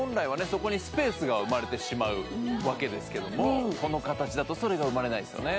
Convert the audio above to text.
そこにスペースが生まれてしまうわけですけどもこの形だとそれが生まれないんですよね